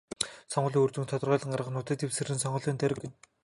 Сонгуулийн үр дүнг тодорхойлон гаргах нутаг дэвсгэрийг сонгуулийн тойрог гэнэ.